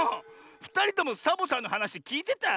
ふたりともサボさんのはなしきいてた？